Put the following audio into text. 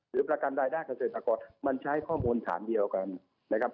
หรือประกันรายด้านเศรษฐกรมันใช้ข้อมูลฐานเดียวกันนะครับ